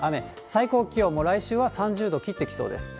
最高気温も来週は３０度切ってきそうです。